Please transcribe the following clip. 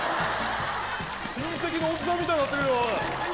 親戚のおじさんみたいになってるよ。